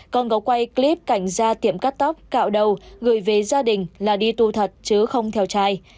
còn có quay clip cảnh ra tiệm cắt tóc cạo đầu gửi về gia đình là đi tu thật chứ không theo chai